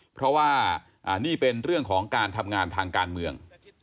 เพราะว่านี่เป็นเรื่องของการทำงานทางการเมือง